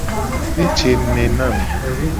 Ne je ngku me nam.